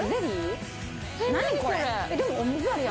何これ！